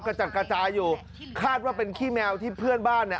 กระจัดกระจายอยู่คาดว่าเป็นขี้แมวที่เพื่อนบ้านเนี่ย